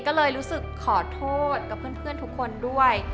ก็เลยรู้สึกขอโทษกับเพื่อนทุกคนด้วย